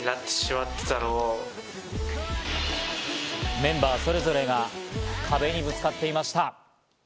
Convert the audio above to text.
メンバーそれぞれが壁にぶつかっていました。